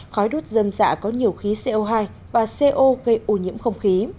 khói đốt dâm dạ có nhiều khí co hai và co gây ô nhiễm không khí